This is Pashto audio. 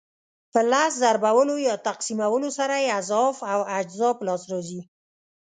په لس ضربولو یا تقسیمولو سره یې اضعاف او اجزا په لاس راځي.